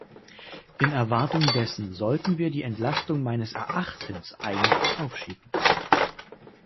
In Erwartung dessen sollten wir die Entlastung meines Erachtens eigentlich aufschieben.